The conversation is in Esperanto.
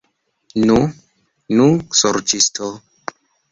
Nu, nu, sorĉisto!